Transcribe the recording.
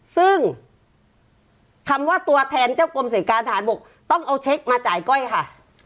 ซึ่งคำว่าตัวแทนเจ้ากรมเสร็จการทหารบกต้องเอาเช็คมาจ่ายก้อยค่ะ